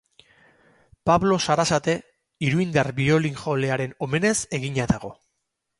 Pablo Sarasate iruindar biolin-jolearen omenez egina dago.